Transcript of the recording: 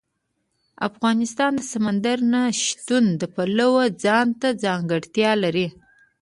افغانستان د سمندر نه شتون د پلوه ځانته ځانګړتیا لري.